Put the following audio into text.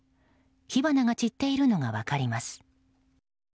火花が散っているのが分かります。